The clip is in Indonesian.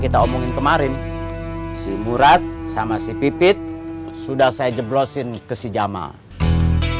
kita omongin kemarin si bu rat sama si pipit sudah saya jeblosin ke si jamal